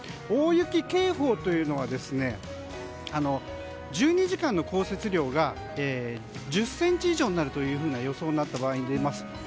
大雪警報というのは１２時間の降雪量が１０ｃｍ以上になるという予想になった場合に出ます。